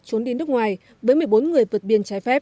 trốn đi nước ngoài với một mươi bốn người